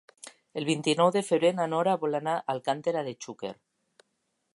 El vint-i-nou de febrer na Nora vol anar a Alcàntera de Xúquer.